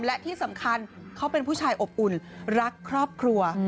และที่สำคัญเขาเป็นผู้ชายอบอุ่นรักครอบครัว